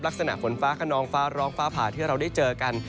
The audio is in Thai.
ลักษณะฝนฟ้าขนองฟ้าร้องฟ้าผ่าที่เราได้เจอกัน